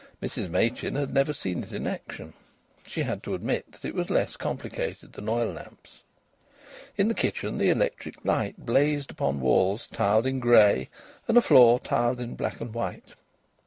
Mrs Machin had never seen it in action. She had to admit that it was less complicated than oil lamps. In the kitchen the electric light blazed upon walls tiled in grey and a floor tiled in black and white.